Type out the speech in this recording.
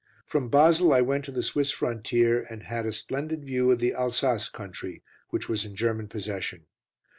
From Basle I went to the Swiss frontier, and had a splendid view of the Alsace country, which was in German possession.